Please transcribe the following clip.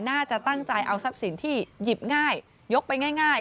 น่าจะตั้งใจเอาทรัพย์สินที่หยิบง่ายยกไปง่าย